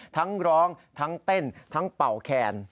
ทั้งร้องทั้งเต้นทั้งเป่าแคน